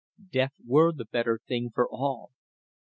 Death were the better thing for all.